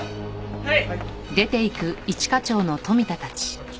はい！